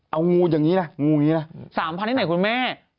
เอางูอย่างนี้นะ